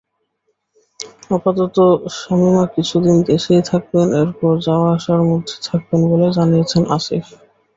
আপাতত শামীমা কিছুদিন দেশেই থাকবেন, এরপর যাওয়া-আসার মধ্যে থাকবেন বলে জানিয়েছেন আসিফ।